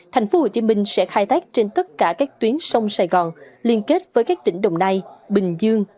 tp hcm sẽ khai thác trên tất cả các tuyến sông sài gòn liên kết với các tỉnh đồng nai bình dương